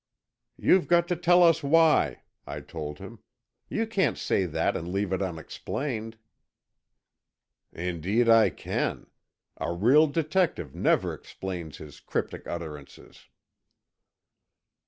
"You've got to tell us why," I told him. "You can't say that and leave it unexplained." "Indeed I can. A real detective never explains his cryptic utterances."